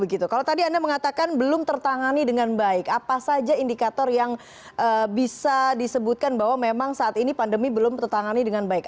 kalau tadi anda mengatakan belum tertangani dengan baik apa saja indikator yang bisa disebutkan bahwa memang saat ini pandemi belum tertangani dengan baik